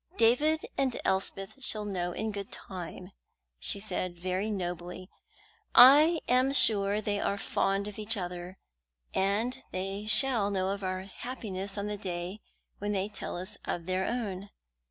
"David and Elspeth shall know in good time," she said, very nobly. "I am sure they are fond of each other, and they shall know of our happiness on the day when they tell us of their own."